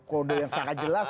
kode yang sangat jelas